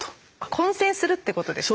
混線するってことですか？